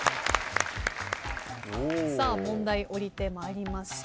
問題下りてまいりました。